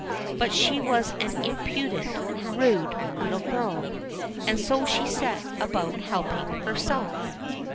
But she was an impudent, rude little girl, and so she set about helping herself.